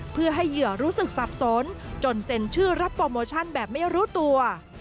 เพื่อให้เหยื่อรู้สึกสับสนจนเซ็นชื่อรับโปรโมชั่นแบบไม่รู้ตัว